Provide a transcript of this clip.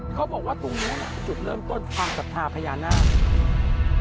เขาบอกว่าตรงนี้จุดเริ่มต้นความศัพท์ภัยนาค